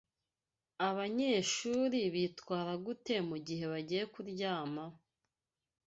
Abanyeshuri bitwara gute mugihe bagiye kuryama?